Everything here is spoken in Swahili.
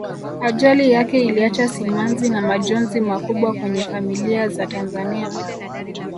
ajali yake iliacha simanzi na majonzi makubwa kwenye familia za tanzania